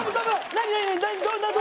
何？